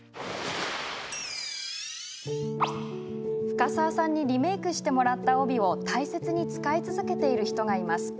深澤さんにリメークしてもらった帯を大切に使い続けている人がいます。